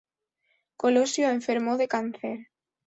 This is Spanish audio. Colosio enfermó de cáncer.